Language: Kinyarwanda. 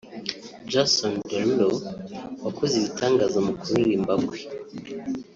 Jason Derulo wakoze ibitangaza mu kuririmba kwe